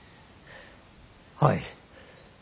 はい。